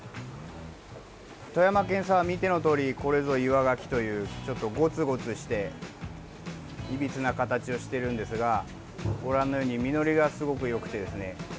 富山県産は見てのとおりこれぞ岩がきというちょっとゴツゴツしていびつな形をしているんですがご覧のように実りがすごくよくてですね。